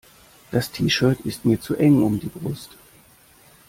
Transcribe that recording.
Das T-Shirt ist mir zu eng um die Brust.